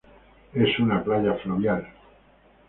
Es una playa fluvial.